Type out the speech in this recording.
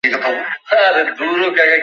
কিনা, তাহাতে আমার কি আসে যায়?